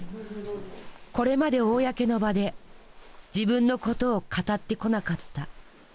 これまで公の場で自分のことを語ってこなかった。